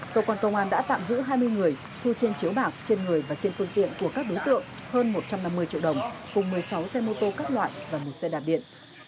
cơ quan công an đã tạm giữ hai mươi người thu trên chiếu bạc trên người và trên phương tiện của các đối tượng hơn một trăm năm mươi triệu đồng cùng một mươi sáu xe mô tô các loại và một xe đạp điện